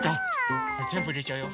じゃぜんぶいれちゃうよ。